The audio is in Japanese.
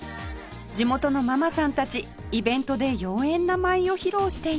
地元のママさんたちイベントで妖艶な舞を披露しています